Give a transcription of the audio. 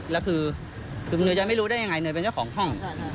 แล้วคือเนยจะไม่รู้ได้ยังไงเนยเป็นเจ้าของห้อง